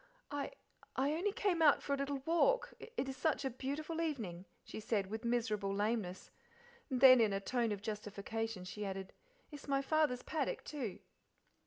"I I only came out for a little walk; it is such a beautiful evening," she said, with miserable lameness; and then in a tone of justification she added, "it's my father's paddock, too."